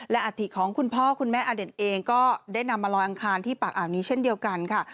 และอาถิของคุณพ่อคุณแม่อเด่นเองก็ได้นำมาลอยอังคารที่ปากอ่าวนี้เช่นเดียวกันค่ะ